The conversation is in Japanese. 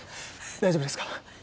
大丈夫ですか？